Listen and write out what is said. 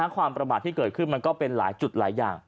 ความประมาทที่เกิดขึ้นมันก็เป็นหลายจุดหลายอย่าง